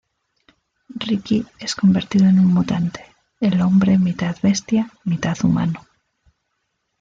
Ricky es convertido en un mutante, el hombre mitad bestia-mitad humano.